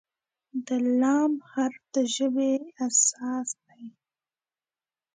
د "ل" حرف د ژبې اساس دی.